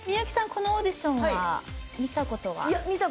このオーディションは見たことは？